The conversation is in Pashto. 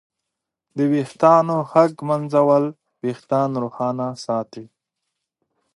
د ویښتانو ښه ږمنځول وېښتان روښانه ساتي.